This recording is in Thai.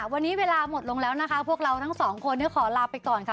วันนี้เวลาหมดลงแล้วนะคะพวกเราทั้งสองคนขอลาไปก่อนค่ะ